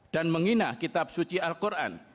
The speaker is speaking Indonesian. dan menggina kitab suci al qur'an